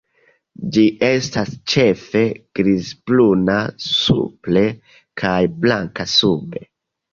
Ĝi estas ĉefe grizbruna supre kaj blanka sube.